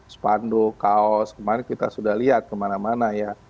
spanduk kaos kemarin kita sudah lihat kemana mana ya